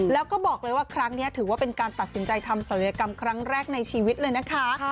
แล้วก็บอกเลยว่าครั้งนี้ถือว่าเป็นการตัดสินใจทำศัลยกรรมครั้งแรกในชีวิตเลยนะคะ